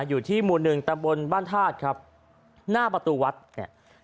อยู่ที่หมู่หนึ่งตำบลบ้านธาตุครับหน้าประตูวัดเนี่ย